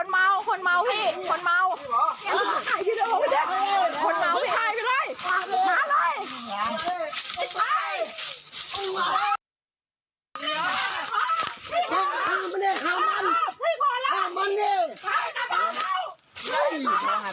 มันปะเนี่ยขามัน